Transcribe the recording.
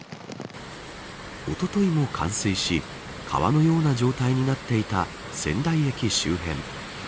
おとといも冠水し川のような状態になっていた仙台駅周辺。